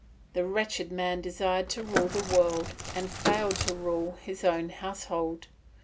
The wretched man desired to rule the world and failed to rule his own household.